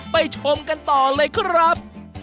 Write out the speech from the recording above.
ชมกันต่อเลยครับ